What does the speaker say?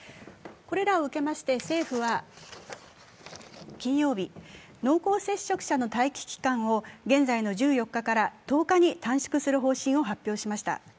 これらを受けまして政府は金曜日、濃厚接触者の待機期間を現在の１４日から１０日に短縮する方針を発表しました。